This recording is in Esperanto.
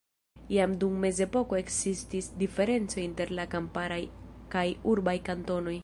Jam dum Mezepoko ekzistis diferenco inter la kamparaj kaj urbaj kantonoj.